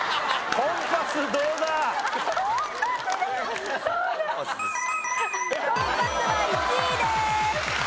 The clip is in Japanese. コンパスは１位です。